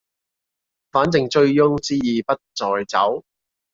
反正醉翁之意不在酒